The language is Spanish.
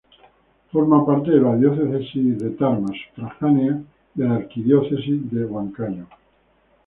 Forma parte de la diócesis de Tarma, sufragánea de la arquidiócesis de Huancayo.